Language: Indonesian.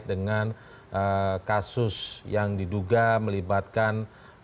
dengan kasus yang diduga melibatkan